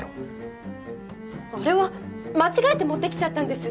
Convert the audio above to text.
あれは間違えて持って来ちゃったんです。